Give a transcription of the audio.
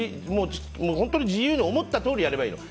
本当に自由に思ったとおりやればいいの。